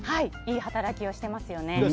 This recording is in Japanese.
いい働きをしてますよね。